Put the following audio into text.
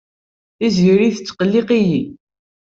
Tiziri tettqelliq-iyi.